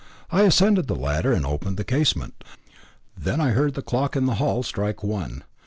I ascended the ladder and opened the casement. Then I heard the clock in the hall strike one.